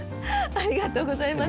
ありがとうございます。